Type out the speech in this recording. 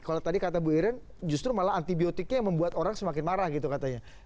kalau tadi kata bu iren justru malah antibiotiknya yang membuat orang semakin marah gitu katanya